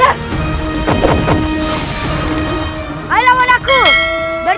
aku akan membuatmu mati